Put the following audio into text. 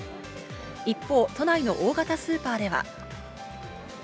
一方、都内の大型スーパーでは。